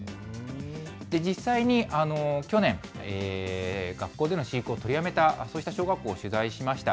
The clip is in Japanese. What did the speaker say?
実際に、去年、学校での飼育を取りやめた、そうした小学校を取材しました。